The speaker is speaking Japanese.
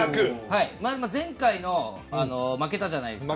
前回、負けたじゃないですか。